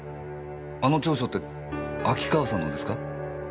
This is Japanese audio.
あの調書って秋川さんのですか？